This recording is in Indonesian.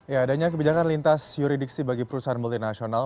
ya adanya kebijakan lintas yuridiksi bagi perusahaan multinasional